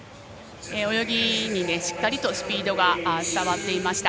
泳ぎにしっかりスピードが伝わっています。